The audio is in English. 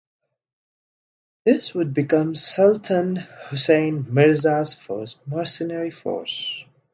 This would become Sultan Husayn Mirza's first mercenary force.